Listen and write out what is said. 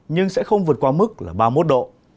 nhưng sẽ không vượt qua mức là ba mươi một độ